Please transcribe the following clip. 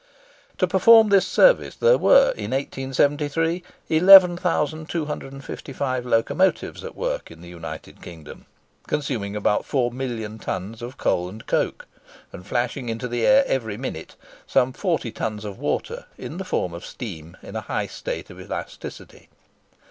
To perform this service, there were, in 1873, 11,255 locomotives at work in the United Kingdom, consuming about four million tons of coal and coke, and flashing into the air every minute some forty tons of water in the form of steam in a high state of elasticity.